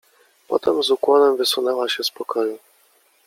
"Potem z ukłonem wysunęła się z pokoju."